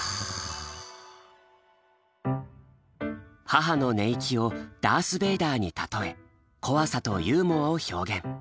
母の寝息を「ダースベイダー」に例え怖さとユーモアを表現。